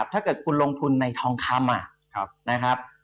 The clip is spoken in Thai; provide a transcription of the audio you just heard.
ถ้าเกิดคุณลงทุนในทองคำนะครับ